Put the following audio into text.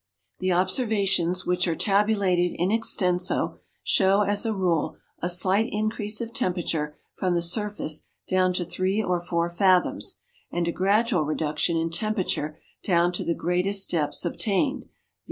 The observations, which are tabulated in extenso, show as a rule a slight increase of temperature from the surface down to three or four fathoms, and a gradual reduction in temperature down to the greatest depths obtained, viz.